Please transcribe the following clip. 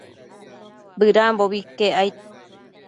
Bëdambobi iquec aid